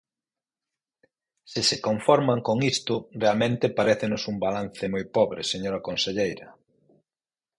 Se se conforman con isto, realmente parécenos un balance moi pobre, señora conselleira.